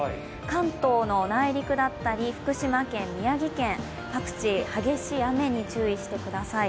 関東の内陸だったり福島県、宮城県各地、激しい雨に注意してください